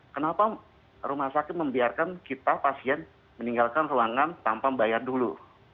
kenapa rumah sakit membiarkan kita pasien meninggalkan ruangan tanpa membayar dulu